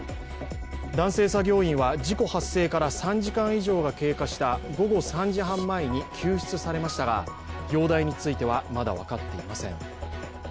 男性作業員は、事故発生から３時間以上が経過した午後３時半前に救出されましたが、容体についてはまだ分かっていません。